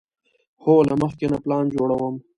هو، له مخکې نه پلان جوړوم